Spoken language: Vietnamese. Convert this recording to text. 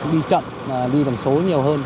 đi chậm đi bằng số nhiều hơn